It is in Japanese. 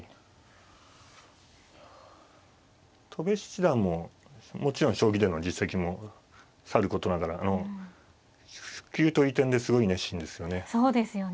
戸辺七段ももちろん将棋での実績もさることながら普及という点ですごい熱心ですよね。